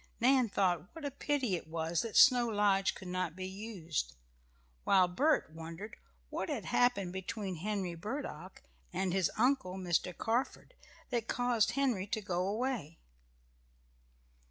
Nan thought what a pity it was that Snow Lodge could not be used, while Bert wondered what had happened between Henry Burdock and his uncle, Mr. Carford, that caused Henry to go away.